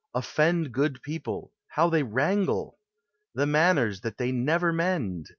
Offend Good people — how they wrangle ! The manners that they never mend